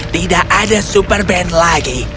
tidak ada super band lagi